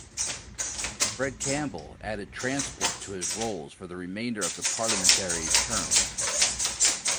Fred Campbell added Transport to his roles for the remainder of the parliamentary term.